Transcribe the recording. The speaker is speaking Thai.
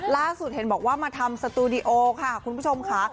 ล่าสุดเห็นบอกว่ามาทำสตูดิโอค่ะคุณผู้ชมค่ะ